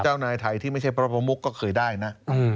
เจ้านายไทยที่ไม่ใช่พระประมุกก็เคยได้นะ